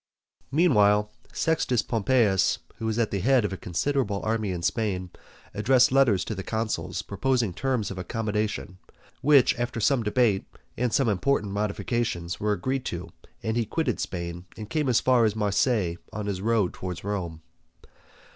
Meantime Sextus Pompeius, who was at the head of a considerable army in Spain, addressed letters to the consuls proposing terms of accommodation, which after some debate, and some important modifications, were agreed to, and he quitted Spain, and came as far as Marseilles on his road towards Rome.